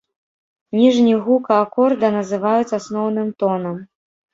Ніжні гука акорда называюць асноўным тонам.